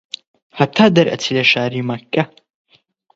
هەتا دەرئەچی لە شاری مەککە